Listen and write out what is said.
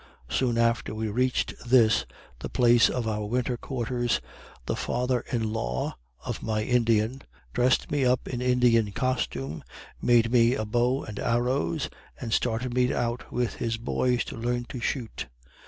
Soon after we reached this, the place of our winter quarters, the father in law of my Indian dressed me up in Indian costume, made me a bow and arrows, and started me out with his boys to learn to shoot.